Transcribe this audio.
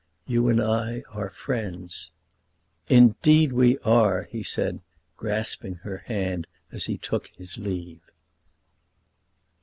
"You and I are friends." "Indeed we are," he said, grasping her hand as he took his leave.